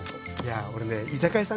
やあ俺ね居酒屋さん